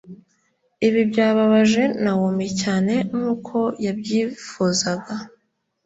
ibi byababaje nawomi cyane nkuko yabyifuzaga